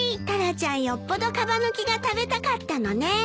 タラちゃんよっぽどかば抜きが食べたかったのね。